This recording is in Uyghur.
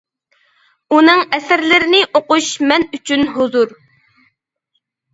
ئۇنىڭ ئەسەرلىرىنى ئوقۇش مەن ئۈچۈن ھۇزۇر.